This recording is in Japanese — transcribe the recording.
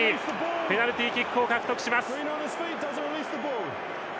ペナルティーキックを獲得します。